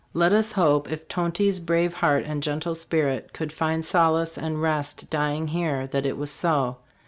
Let us hope, if Tonty's brave heart and gentle spirit could find solace and rest dying here, that it was so.